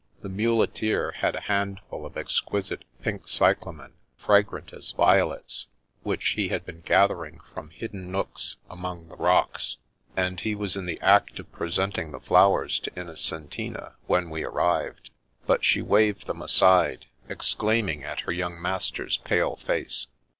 The muleteer had a handful of exquisite pink cyclamen, fragrant as violets, which he had been gathering from hidden nooks among the rocks, and he was in the act of presenting the flowers to Innocentina when we ar rived, but she waved them aside, exclaiming at her young master's pale face.